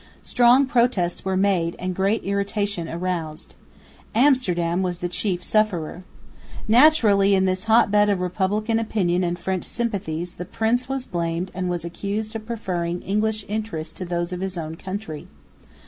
Strong protests were made and great irritation aroused. Amsterdam was the chief sufferer. Naturally in this hot bed of Republican opinion and French sympathies, the prince was blamed and was accused of preferring English interests to those of his own country.